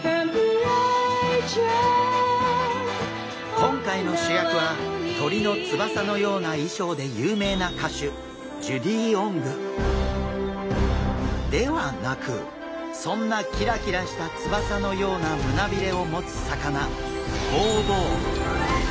今回の主役は鳥の翼のような衣装で有名な歌手ではなくそんなキラキラした翼のような胸びれを持つ魚ホウボウ。